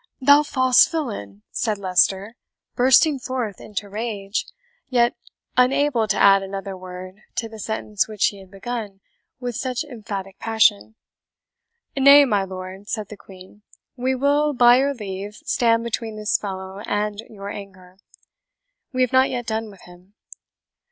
"Thou false villain!" said Leicester, bursting forth into rage, yet unable to add another word to the sentence which he had begun with such emphatic passion. "Nay, my lord," said the Queen, "we will, by your leave, stand between this fellow and your anger. We have not yet done with him.